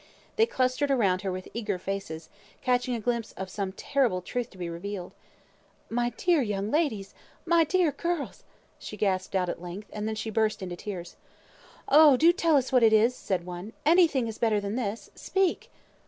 They clustered round her with eager faces, catching a glimpse of some terrible truth to be revealed. "My dear young ladies! my dear girls," she gasped out at length, and then she burst into tears. "Oh! do tell us what it is, nurse," said one. "Any thing is better than this. Speak!"